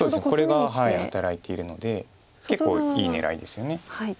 これが働いているので結構いい狙いですよね。